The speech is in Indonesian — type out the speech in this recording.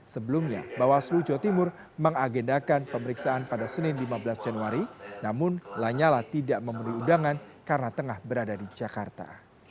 sebelumnya bawaslu jawa timur mengagendakan pemeriksaan pada senin lima belas januari namun lanyala tidak memenuhi undangan karena tengah berada di jakarta